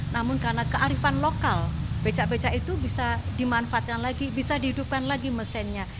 namun karena kearifan lokal becak becak itu bisa dimanfaatkan lagi bisa dihidupkan lagi mesinnya